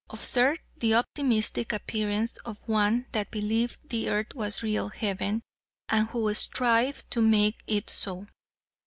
Observe the optimistic appearance of one that believed the earth was real heaven and who strived to make it so.